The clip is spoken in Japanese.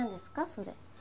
それ。